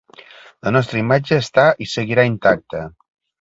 La nostra imatge està i seguirà intacta.